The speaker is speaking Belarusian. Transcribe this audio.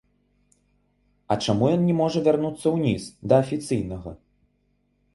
А чаму ён не можа вярнуцца ўніз, да афіцыйнага?